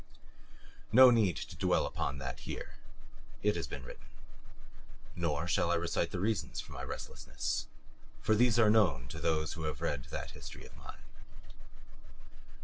No need to dwell here upon that it has been written. Nor shall I recite the reasons for my restlessness for these are known to those who have read that history of mine.